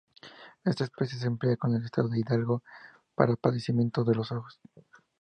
Esta especie se emplea en el estado de Hidalgo para padecimientos de los ojos.